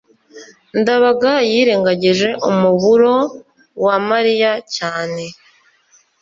ndabaga yirengagije umuburo wa mariya cyane